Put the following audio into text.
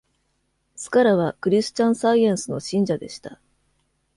スカラはクリスチャンサイエンスの信者でした。